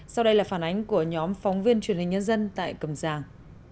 sau đây là phản ánh của nhóm phóng viên truyền hình nhân dân tại cầm giang